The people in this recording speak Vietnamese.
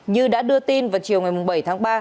như đã đưa tin vào chiều ngày bảy tháng ba